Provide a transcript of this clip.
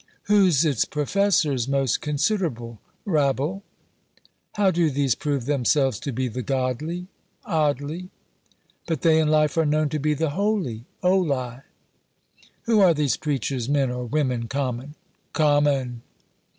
_ Whose its professors most considerable? Rabble! How do these prove themselves to be the godly? Oddly! But they in life are known to be the holy, O lie! Who are these preachers, men or women common? _Common!